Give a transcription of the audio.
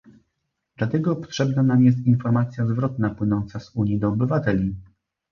Dlatego potrzebna nam jest informacja zwrotna płynąca z Unii do obywateli